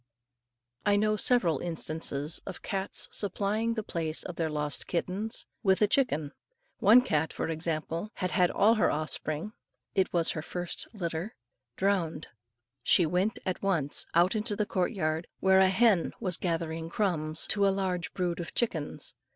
I know several instances of cats supplying the place of their lost kittens with a chicken. One cat, for example, had had all her offspring, it was her first litter, drowned; she went at once out into the court yard, where a hen was gathering crumbs to a large brood of chickens.